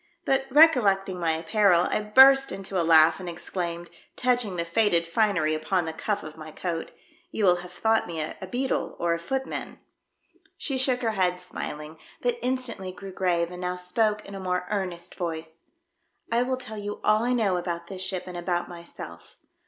but recol lecting my apparel, I burst into a laugh and exclaimed, touching the faded finery upon the cuff of my coat, "You will have thought me u beadle or a footman." 1 TALK WITH MISS IMOGENE DUDLEY. 1 35 She shook her head smiling, but instantly grew grave, and now spoke in a most earnest voice. I will tell you all I know about this ship and about myself.